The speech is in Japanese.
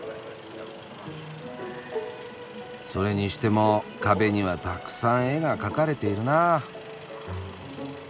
それにしても壁にはたくさん絵が描かれているなあ。